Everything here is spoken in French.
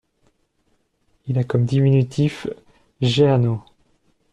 Il a comme diminutif Jehannot.